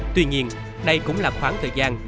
tuy nhiên đây cũng là khoảng thời gian